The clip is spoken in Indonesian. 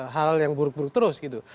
hal hal yang buruk buruk terus gitu